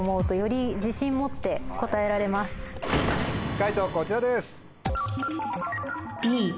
解答こちらです。